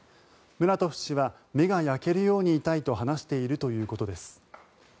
ムラトフ氏は目が焼けるように痛いと話しているということです。